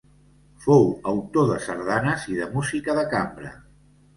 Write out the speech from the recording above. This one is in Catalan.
Fou autor de sardanes i de música de cambra.